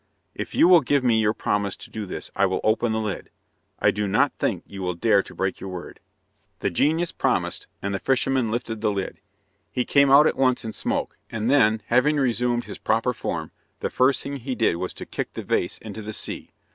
"If you will give me your promise to do this, I will open the lid. I do not think you will dare to break your word." The genius promised, and the fisherman lifted the lid. He came out at once in smoke, and then, having resumed his proper form, the first thing he did was to kick the vase into the sea.